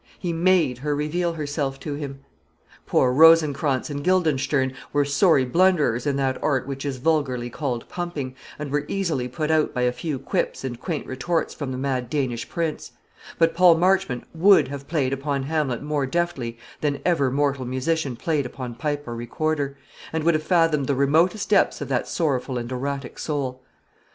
He made her reveal herself to him. Poor Rosencranz and Guildenstern were sorry blunderers in that art which is vulgarly called pumping, and were easily put out by a few quips and quaint retorts from the mad Danish prince; but Paul Marchmont would have played upon Hamlet more deftly than ever mortal musician played upon pipe or recorder, and would have fathomed the remotest depths of that sorrowful and erratic soul.